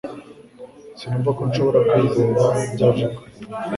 Sinumva ko nshobora kwizera ibyo avuga.